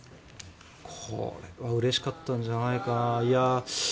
これはうれしかったんじゃないかな。